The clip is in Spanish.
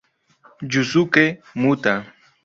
Yusuke Muta